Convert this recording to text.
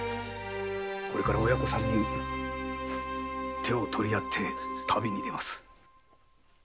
これから親子三人手を取り合って旅に出ます。